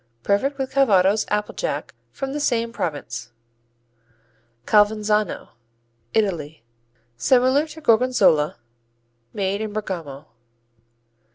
Perfect with Calvados applejack from the same province. Calvenzano Italy Similar to Gorgonzola, made in Bergamo.